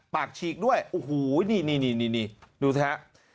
ปากชีกด้วยโอ้โหนี่ดูนะฮะ